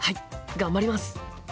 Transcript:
頑張ります。